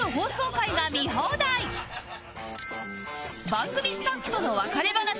番組スタッフとの別れ話